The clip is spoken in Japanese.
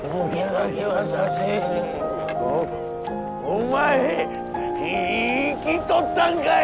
お前生きとったんかい！